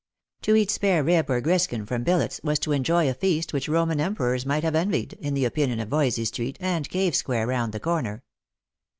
To eat spare rib or griskin from Billet's was to enjoy a feast which Roman emperors might have envied, in the opinion of Voysey street and Cave square round the corner.